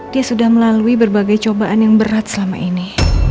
dia sudah melalui berbagai cobaan yang berat selama ini